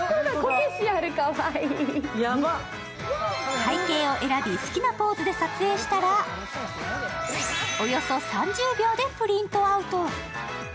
背景を選び、好きなポーズで撮影したら、およそ３０秒でプリントアウト。